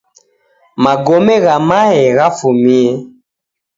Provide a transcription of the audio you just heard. Magome gha maye ghafumie